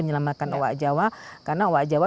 menyelamatkan owa jawa karena owa jawa